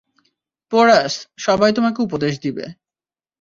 Porous, সবাই তোমাকে উপদেশ দিবে।